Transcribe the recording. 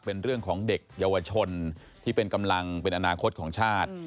เป็นเรื่องของเด็กเยาวชนที่เป็นกำลังเป็นอนาคตของชาติ